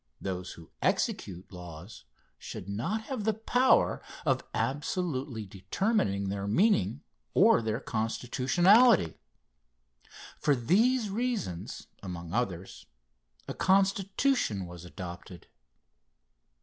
Those who execute laws should not have the power of absolutely determining their meaning or their constitutionality. For these reasons, among others, a Constitution was adopted.